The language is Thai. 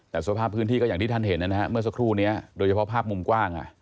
แต่สภาพพื้นที่ก็อย่างที่ท่านเห็นนะฮะเมื่อสักครู่นี้โดยเฉพาะภาพมุมกว้าง